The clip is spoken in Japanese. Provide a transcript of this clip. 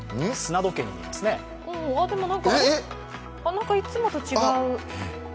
なんか、いつもと違う。